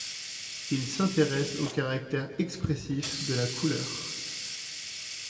Il s’intéresse au caractère expressif de la couleur.